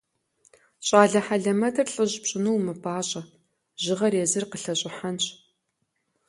Щӏалэ хьэлэмэтыр лӏыжь пщӏыну умыпӏащӏэ, жьыгъэр езыр къылъэщӏыхьэнщ.